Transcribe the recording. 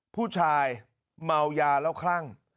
ผู้ชายเมายาแล้วคลั่ง